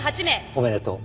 おめでとう。